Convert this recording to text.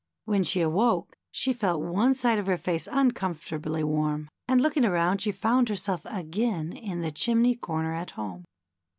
When she awoke she felt one side of her face un comfortably warm, and looking around she found herself again in the chimney corner at home.